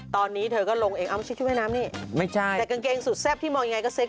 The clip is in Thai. ตอนนี้เธอก็ลงเองเอาชุดเวน้ำเนี้ย